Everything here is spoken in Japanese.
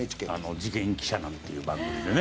『事件記者』なんていう番組でね。